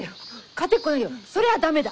勝てっこないよ。それは駄目だ。